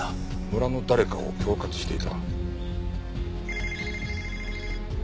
村の誰かを恐喝していた。